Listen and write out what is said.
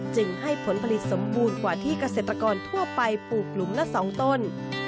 จึงให้ผลผลิตสมบูรณ์กว่าที่เกษตรกรทั่วไปปลูกหลุมละ๒ต้น